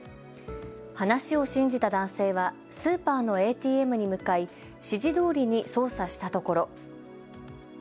話を信じた男性はスーパーのＡＴＭに向かい指示どおりに操作したところ。